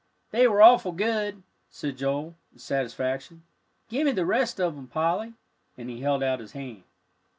"They were awful good," said Joel, in satisfaction. "Give me the rest of 'em, Polly," and he held out his hand.